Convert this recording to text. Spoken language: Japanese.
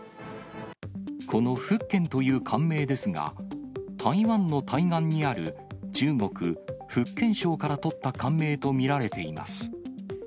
この福建という艦名ですが、台湾の対岸にある中国・福建省から取った艦名と見られています。